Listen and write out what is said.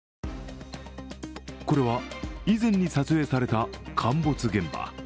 これは、以前に撮影された陥没現場。